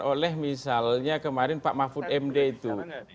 oleh misalnya kemarin pak mahfud md itu